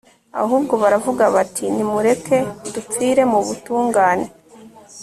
ahubwo baravuga bati nimureke dupfire mu butungane